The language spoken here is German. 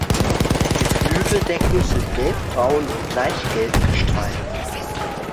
Die Flügeldecken sind gelbbraun und leicht gelb gestreift.